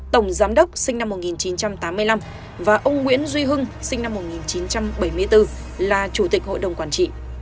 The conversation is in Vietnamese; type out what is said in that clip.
tổng giám đốc sinh năm một nghìn chín trăm tám mươi năm và ông nguyễn duy hưng sinh năm một nghìn chín trăm bảy mươi bốn là chủ tịch hội đồng quản trị